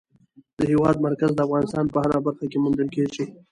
د هېواد مرکز د افغانستان په هره برخه کې موندل کېږي.